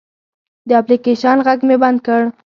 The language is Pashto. د اپلیکیشن غږ مې بند کړ.